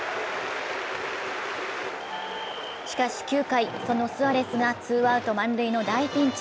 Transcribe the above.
しかし９回、そのスアレスがツーアウト満塁の大ピンチ。